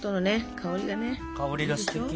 香りがすてき。